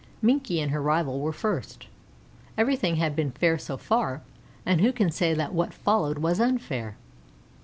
Minkie and her rival were first. Everything had been fair so far, and who can say that what followed was unfair?